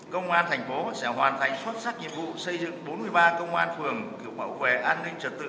công an thành phố sẽ hoàn thành xuất sắc nhiệm vụ xây dựng bốn mươi ba công an phường kiểu mẫu về an ninh trực tự